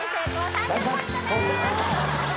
３０ポイントです！